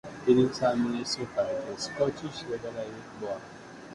It is administered by the Scottish Legal Aid Board.